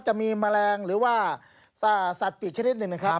จะมีแมลงหรือว่าสัตว์ปีกชนิดหนึ่งนะครับ